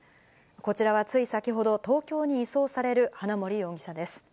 こちらはつい先ほど、東京に移送される花森容疑者です。